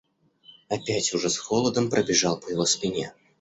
Опять ужас холодом пробежал по его спине.